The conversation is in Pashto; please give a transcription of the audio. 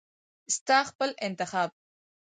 ستا خپل انتخاب .